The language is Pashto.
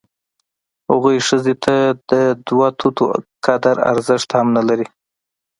هغوی ښځې ته د دوه توتو قدر ارزښت هم نه لري.